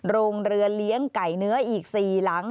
โรงเรือเลี้ยงไก่เนื้ออีก๔หลัง